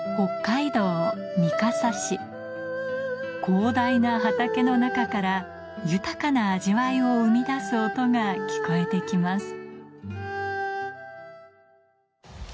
広大な畑の中から豊かな味わいを生み出す音が聞こえて来ます